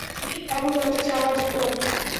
এখন উনার কাছে আমার যেতে হবে?